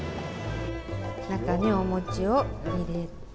中にお餅を入れて。